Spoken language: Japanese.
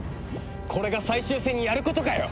これが最終戦にやることかよ！